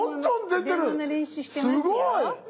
すごい。